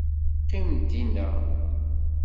Qqim dinna.